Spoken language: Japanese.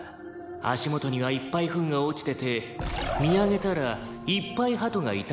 「足元にはいっぱいフンが落ちてて見上げたらいっぱいハトがいたって事に」